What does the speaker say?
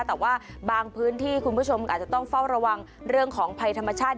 แต่ว่าบางพื้นที่คุณผู้ชมอาจจะต้องเฝ้าระวังเรื่องของภัยธรรมชาติ